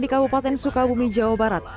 di kabupaten sukabumi jawa barat